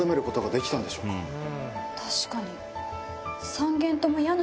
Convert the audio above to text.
確かに。